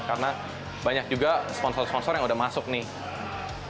karena banyak juga sponsor sponsor yang udah masuk nih